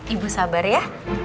ibu sabar ya